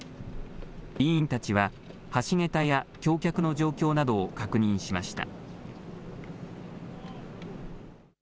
委員たちは、橋桁や橋脚の状況などを確認しました。